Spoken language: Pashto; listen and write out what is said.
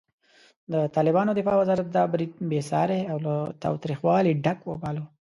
د طالبانو دفاع وزارت دا برید بېساری او له تاوتریخوالي ډک وباله.